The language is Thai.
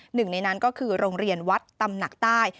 หนึ่งในนั้นก็คือโรงเรียนวัดตำหนักใต้